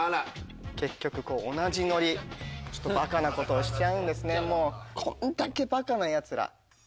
結局同じノリバカなことをしちゃうんですね。